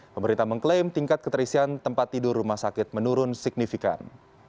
pemerintah mengklaim tingkat keterisian tempat tidur rumah sakit menurun signifikan